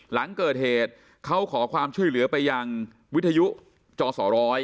หลังเกิดเหตุเขาขอความช่วยเหลือไปยังวิทยุจอสอร้อย